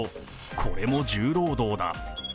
これも重労働だ。